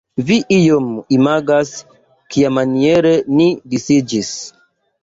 Vi iom imagas kiamaniere ni disiĝis.